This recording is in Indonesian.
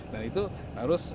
nah itu harus